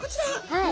はい。